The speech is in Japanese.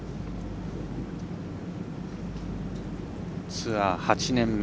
ツアー８年目。